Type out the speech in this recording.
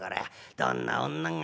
どんな女が。